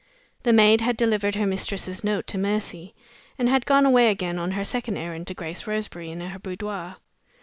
The maid had delivered her mistress's note to Mercy, and had gone away again on her second errand to Grace Roseberry in her boudoir.